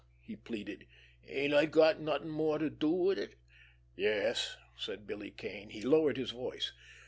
he pleaded. "Ain't I got anything more to do?" "Yes," said Billy Kane. He lowered his voice.